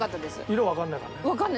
色わかんないからね。